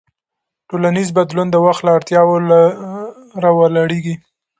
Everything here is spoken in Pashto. ټولنیز بدلون د وخت له اړتیاوو راولاړېږي.